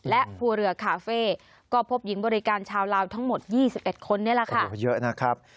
และภูเรือคาเฟ่ก็พบหญิงบริการชาวลาวทั้งหมด๒๑คนนี่แหละค่ะ